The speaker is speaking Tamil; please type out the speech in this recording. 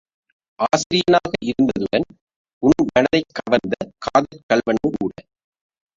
ஆசிரியனாக இருந்ததுடன் உன் மனத்தைக் கவர்ந்த காதற் கள்வனுங்கூட.